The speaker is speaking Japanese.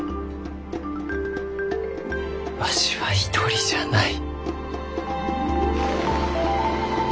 わしは一人じゃない。